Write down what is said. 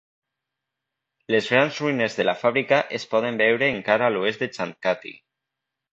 Les grans ruïnes de la fàbrica es poden veure encara a l'oest de Chandkati.